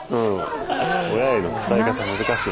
親への伝え方難しい。